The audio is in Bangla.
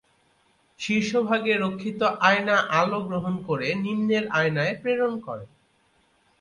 শীর্ষভাগে রক্ষিত আয়না আলো গ্রহণ করে নিম্নের আয়নায় প্রেরণ করে।